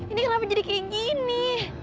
ini kenapa jadi kayak gini